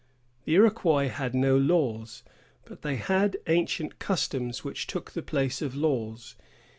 The Iroquois had no laws; but they had ancient customs which took the place of laws.